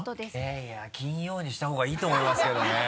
いやいや金曜にした方がいいと思いますけどね。